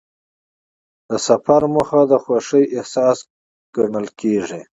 د سفر موخه د خوښۍ احساس ګڼل کېږي.